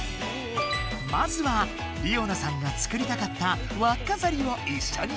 まずはりおなさんがつくりたかったわっかざりをいっしょにつくる。